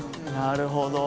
なるほど。